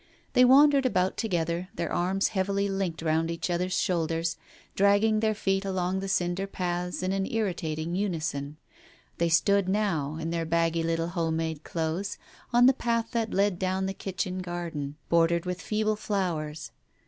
They wandered about together, their arms heavily linked round each other's shoulders, dragging their feet along the cinder paths in an irritating unison. They stood now, in their baggy little home made clothes, on the path that led down the kitchen garden, bordered with feeble flowers.